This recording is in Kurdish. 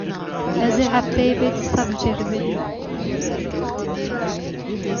Ez ê hefteya bê dîsa biceribînim.